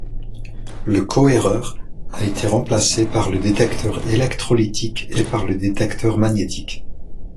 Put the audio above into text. Le cohéreur a été remplacé par le détecteur électrolytique et par le détecteur magnétique.